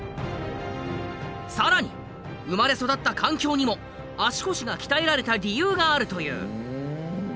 更に生まれ育った環境にも足腰が鍛えられた理由があるという。